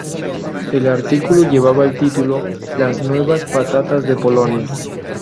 El artículo llevaba el título "Las nuevas patatas de Polonia.